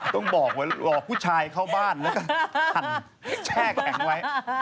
ต้องบอกไว้หลอกผู้ชายเข้าบ้านแล้วก็หั่นแช่แข็งไว้